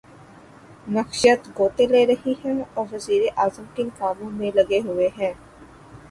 معیشت غوطے لے رہی ہے اور وزیر اعظم کن کاموں میں لگے ہوئے ہیں۔